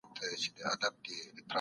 ګوریلا 🦍